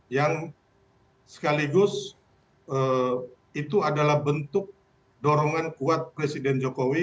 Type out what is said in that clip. yang sekaligus itu adalah bentuk dorongan kuat presiden jokowi